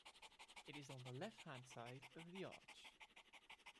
It is on the left-hand side of the arch.